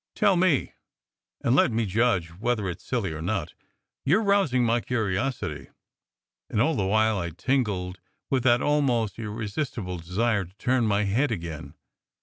"Tell me, and let me judge whether it s silly or not. You re rousing my curiosity." And all the while I tingled with that almost irresistible desire to turn my head again.